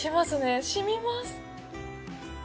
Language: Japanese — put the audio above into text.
染みます。